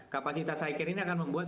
kapasitas high care ini akan membuat